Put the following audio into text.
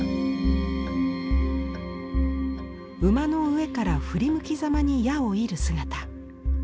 馬の上から振り向きざまに矢を射る姿。